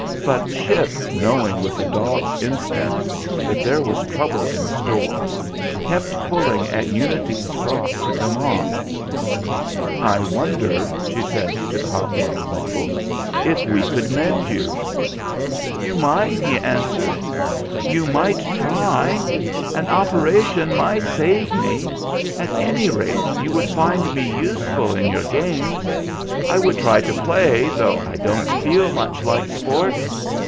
But Ship, knowing with a dog's instinct that there was trouble in store, kept pulling at Unity's frock to come on. 166 THE FLINT HEART "I wonder," she said to the hot water bottle, "if we could mend you?" "You might," he answered. "You might try. An operation might save me. At any rate, you would find me useful in your games. I would try to play, though I don't feel much like sport.